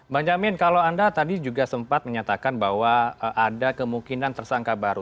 bang jamin kalau anda tadi juga sempat menyatakan bahwa ada kemungkinan tersangka baru